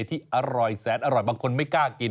ที่อร่อยแสนอร่อยบางคนไม่กล้ากิน